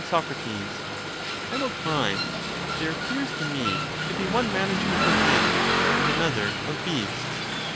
Sac, I will try ;— there appears to me to be one manage Manage ment of men and another of beasts.